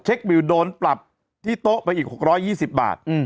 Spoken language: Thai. บิวโดนปรับที่โต๊ะไปอีก๖๒๐บาท